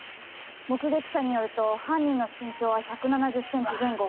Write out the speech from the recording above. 目撃者によると犯人の身長は１７０ｃｍ前後。